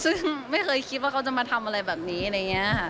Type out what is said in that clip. ซึ่งไม่เคยคิดว่าเขาจะมาทำอะไรแบบนี้อะไรอย่างนี้ค่ะ